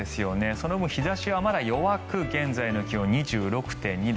その分、日差しはまだ弱く現在の気温２６．２度。